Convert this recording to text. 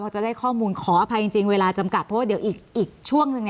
จะได้ข้อมูลขออภัยจริงเวลาจำกัดเพราะว่าเดี๋ยวอีกช่วงหนึ่ง